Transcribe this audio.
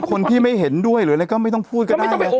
คนที่ไม่เห็นด้วยหรืออะไรก็ไม่ต้องพูดก็ได้ไง